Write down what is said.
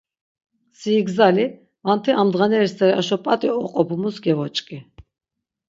Si igzali, manti amdğaneri steri aşo p̆at̆i oqopumus gevoç̆k̆i.